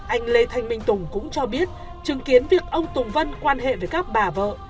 anh lê thanh minh tùng cũng cho biết chứng kiến việc ông tùng vân quan hệ với các bà vợ